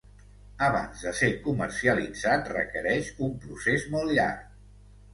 Abans de ser comercialitzat requereix un procés molt llarg.